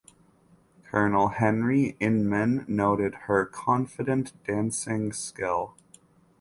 Colonel Henry Inman noted her confident dancing skill.